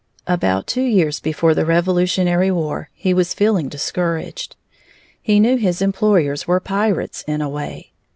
About two years before the Revolutionary War, he was feeling discouraged. He knew his employers were pirates in a way.